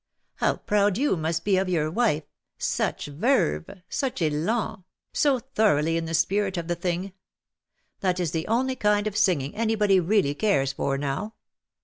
How proud you must be of your wife — such verve — such elan — so thoroughly in the spirit of the thing. That is the only kind of singing any body really cares for now.